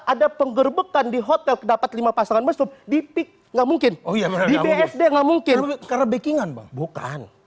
ada penggerbekan di hotel dapat lima pasangan mesum dipik nggak mungkin oh ya nggak mungkin karena bakingan